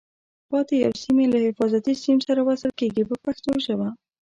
پاتې یو سیم یې له حفاظتي سیم سره وصل کېږي په پښتو ژبه.